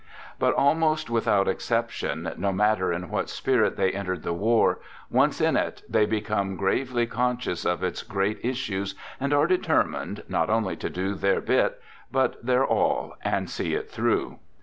" But almost without exception, no matter in what spirit they entered the war, once in it, they become gravely conscious of its great is sues, and are determined not only to do their bit, but their all, and see it through.